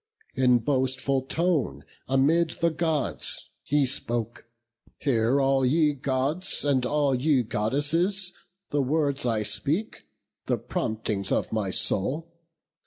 In boastful tone amid the Gods he spoke: 'Hear all ye Gods, and all ye Goddesses, The words I speak, the promptings of my soul.